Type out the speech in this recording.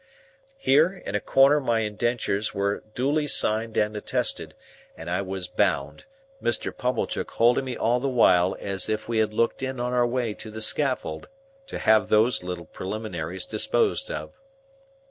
Here, in a corner my indentures were duly signed and attested, and I was "bound"; Mr. Pumblechook holding me all the while as if we had looked in on our way to the scaffold, to have those little preliminaries disposed of.